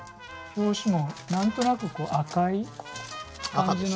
表紙も何となくこう赤い感じの。